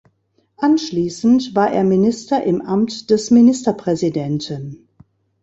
Anschließend war er Minister im Amt des Ministerpräsidenten.